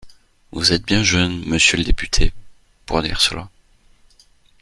Vous êtes bien jeune, monsieur le député, pour dire cela.